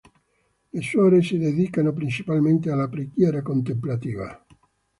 Le suore si dedicano principalmente alla preghiera contemplativa.